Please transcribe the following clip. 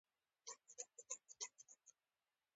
پوځ د نظام یوه اداره ده.